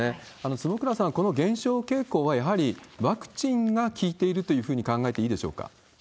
坪倉さん、この減少傾向は、やはりワクチンが効いているというふうに考えていいでしょうか？